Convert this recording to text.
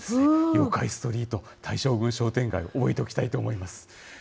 妖怪ストリート大将軍商店街、覚えておきたいと思います。